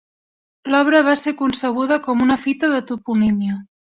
L'obra va ser concebuda com una fita de toponímia.